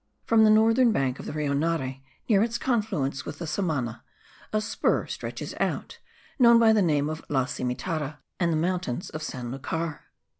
From the northern bank of the Rio Nare, near its confluence with the Samana, a spur stretches out, known by the name of La Simitarra, and the Mountains of San Lucar.